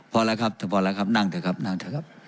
พอแล้วครับพอแล้วครับนั่งเถอะครับนั่งเถอะครับ